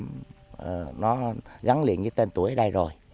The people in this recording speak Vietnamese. một loài sản phẩm nó gắn liền với tên tuổi ở đây rồi